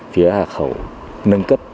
phía hà khẩu nâng cấp